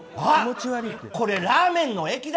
これ、ラーメンの液だ！